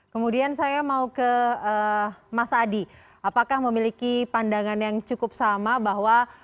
kemudian saya mau ke mas adi apakah memiliki pandangan yang cukup sama bahwa